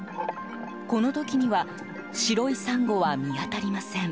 この時には白いサンゴは見当たりません。